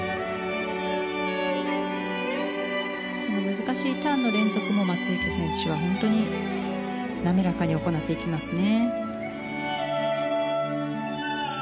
難しいターンの連続も松生選手は本当に滑らかに行っていきますね。